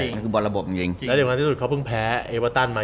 และเดี๋ยวก่อนที่สุดเค้าเพิ่งแพ้